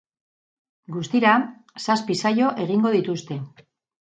Guztira zazpi saio egingo dituzte.